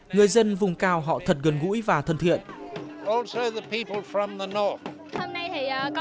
người ta đã tham gia một cuộc diễn diễn trống chiêng và nhạc cụ